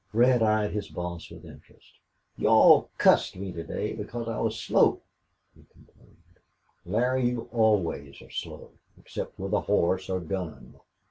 Red eyed his boss with interest. "You all cussed me to day because I was slow," he complained. "Larry, you always are slow, except with a horse or gun.